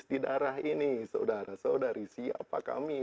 di darah ini saudara saudari siapa kami